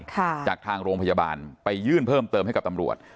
จากทางโรงพยาบาลไปยื่นเพิ่มเติมให้กับตำรวจ